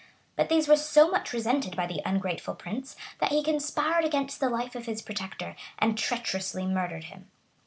But these were so much resented by the ungrateful prince, that he conspired against the life of his protector, and treacherously murdered him.